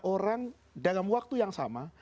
orang dalam waktu yang sama